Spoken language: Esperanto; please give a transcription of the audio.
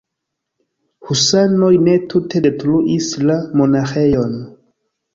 Husanoj ne tute detruis la monaĥejon.